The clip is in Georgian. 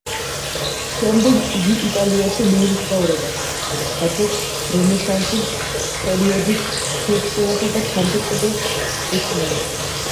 შემდეგ იგი იტალიაში მიემგზავრება, სადაც რენესანსის პერიოდის ფერწერასა და ქანდაკებას ეცნობა.